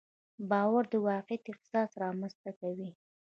باور د واقعیت احساس رامنځته کوي.